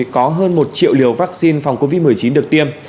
có hơn một triệu liều vaccine phòng covid một mươi chín được tiêm